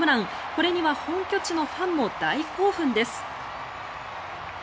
これには本拠地のファンも大興奮です。